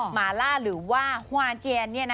หมาล่าหรือว่าฮวาเจียน